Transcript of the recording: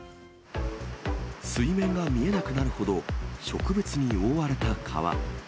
水面が見えなくなるほど植物に覆われた川。